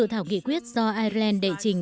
dự thảo nghị quyết do ireland đệ trình